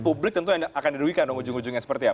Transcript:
publik tentu akan diduduhi kan ujung ujungnya seperti apa